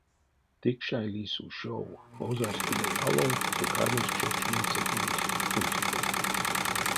Тикшай лиссь ушов, озась килей алов ды кармась чокшнень сэтьменть кунсоломо.